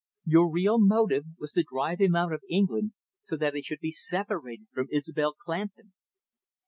Your real motive was to drive him out of England, so that he should be separated from Isobel Clandon."